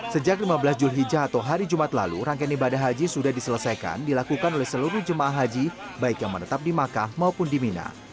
sejak lima belas julhijjah atau hari jumat lalu rangkaian ibadah haji sudah diselesaikan dilakukan oleh seluruh jemaah haji baik yang menetap di makkah maupun di mina